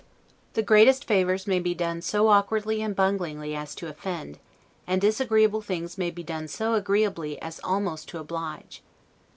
The greatest favors may be done so awkwardly and bunglingly as to offend; and disagreeable things may be done so agreeably as almost to oblige.